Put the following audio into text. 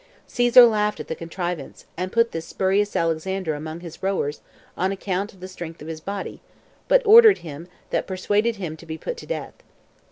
Caesar laughed at the contrivance, and put this spurious Alexander among his rowers, on account of the strength of his body, but ordered him that persuaded him to be put to death.